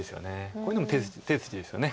こういうのも手筋ですよね。